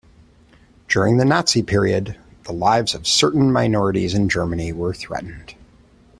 During the Nazi period, the lives of certain minorities in Germany were threatened.